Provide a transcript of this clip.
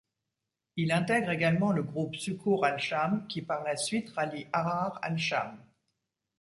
Il intègre également le groupe Suqour al-Cham, qui par la suite rallie Ahrar al-Cham.